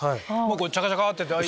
シャカシャカって？